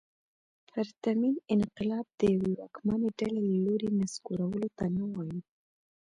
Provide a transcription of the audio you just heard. پرتمین انقلاب د یوې واکمنې ډلې له لوري نسکورولو ته نه وايي.